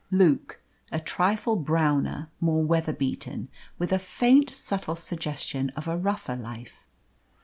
Luke, a trifle browner, more weather beaten, with a faint, subtle suggestion of a rougher life.